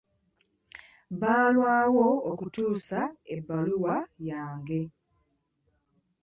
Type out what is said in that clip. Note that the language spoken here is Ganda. Baalwawo okutuusa ebbaluwa yange.